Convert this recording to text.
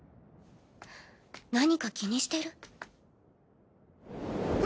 何か気にしてる。